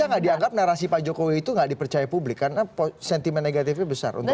nggak dianggap narasi pak jokowi itu nggak dipercaya publik karena sentimen negatifnya besar untuk